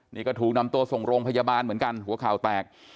นี่ก็ถูกนำตัวส่งโรงพยาบาลเหมือนกันหัวเข่าแตก